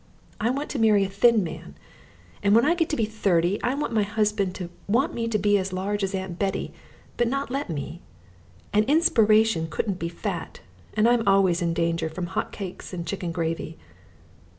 I want to marry a thin man, and when I get to be thirty I want my husband to want me to be as large as Aunt Bettie, but not let me. An inspiration couldn't be fat, and I'm always in danger from hot cakes and chicken gravy.